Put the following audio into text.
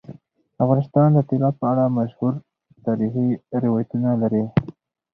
افغانستان د طلا په اړه مشهور تاریخی روایتونه لري.